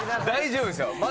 大丈夫ですよ。